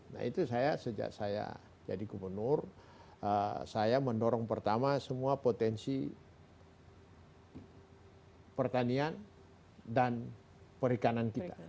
nah itu saya sejak saya jadi gubernur saya mendorong pertama semua potensi pertanian dan perikanan kita